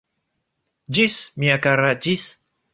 Ĝis, mia kara, ĝis!